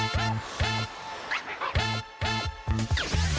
สวัสดีครับมาเจอกับแฟแล้วนะครับ